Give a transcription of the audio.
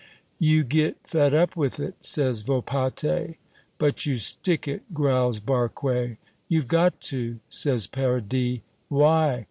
"You get fed up with it," says Volpatte. "But you stick it," growls Barque. "You've got to," says Paradis. "Why?"